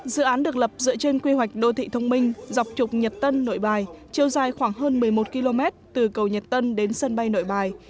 dự án được lập dựa trên quy hoạch đô thị thông minh dọc trục nhật tân nội bài chiều dài khoảng hơn một mươi một km từ cầu nhật tân đến sân bay nội bài